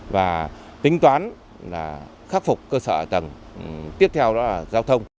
và tính toán là khắc phục cơ sở tầng tiếp theo đó là giao thông